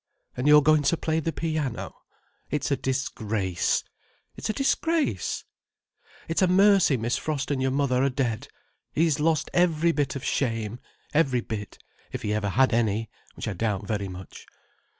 And you're going to play the piano. It's a disgrace! It's a disgrace! It's a disgrace! It's a mercy Miss Frost and your mother are dead. He's lost every bit of shame—every bit—if he ever had any—which I doubt very much.